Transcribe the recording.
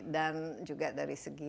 dan juga dari segi